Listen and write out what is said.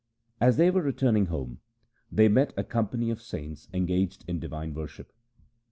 As they were returning home, they met a company of saints engaged in divine worship.